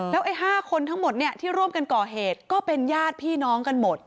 แล้วไอ้๕คนทั้งหมดที่ร่วมกันก่อเหตุก็เป็นญาติพี่น้องกันหมด